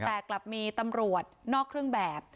แต่กลับมีตำรวจนอกเครื่องแบบ